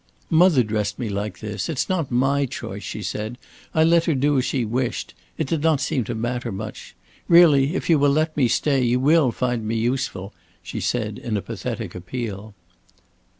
"Mother dressed me like this. It's not my choice," she said. "I let her do as she wished. It did not seem to matter much. Really, if you will let me stay, you will find me useful," she said, in a pathetic appeal.